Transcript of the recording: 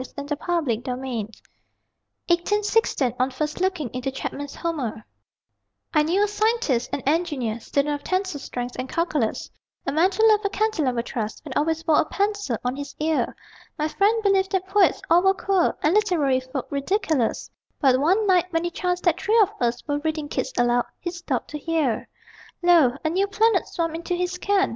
FOR THE CENTENARY OF KEATS'S SONNET (1816) "On First Looking Into Chapman's Homer." I knew a scientist, an engineer, Student of tensile strengths and calculus, A man who loved a cantilever truss And always wore a pencil on his ear. My friend believed that poets all were queer, And literary folk ridiculous; But one night, when it chanced that three of us Were reading Keats aloud, he stopped to hear. Lo, a new planet swam into his ken!